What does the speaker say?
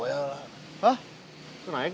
itu neng kan